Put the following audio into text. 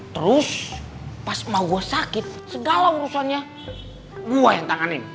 terus pas mau gue sakit segala urusannya gue yang tanganin